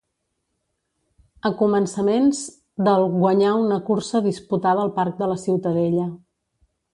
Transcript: A començaments del guanyà una cursa disputada al Parc de la Ciutadella.